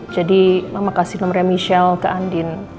jadi mama kasih nomornya michelle ke andien